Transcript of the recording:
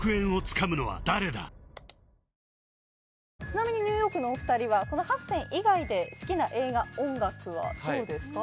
ちなみにニューヨークのお二人はこの８選以外で好きな映画音楽はどうですか？